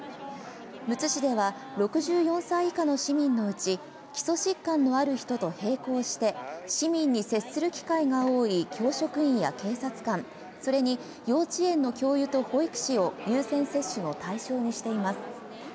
むつ市では、６４歳以下の市民のうち、基礎疾患のある人と並行して、市民に接する機会が多い教職員や警察官、それに幼稚園の教諭と保育士を優先接種の対象にしています。